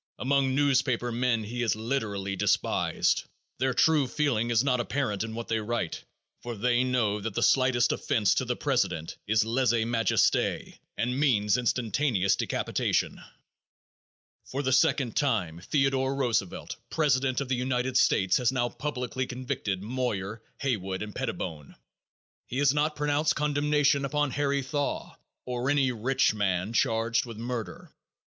Among newspaper men he is literally despised. Their true feeling is not apparent in what they write, for they know that the slightest offense to the president is lese majeste and means instantaneous decapitation. For the second time, Theodore Roosevelt, president of the United States, has now publicly convicted Moyer, Haywood and Pettibone. He has not pronounced condemnation upon Harry Thaw, or any rich man charged with murder.